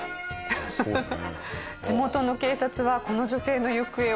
そうね。